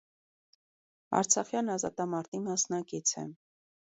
Արցախյան ազատամարտի մասնակից է։